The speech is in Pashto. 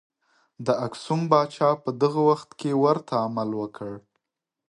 د اکسوم پاچا په دغه وخت کې ورته عمل وکړ.